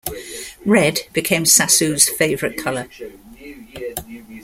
Red became Sassu's favourite colour.